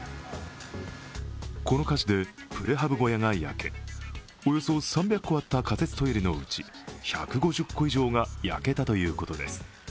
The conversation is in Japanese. この火事でプレハブ小屋が焼け、およそ３００個あった仮設トイレのうち１５０個以上が焼けたということです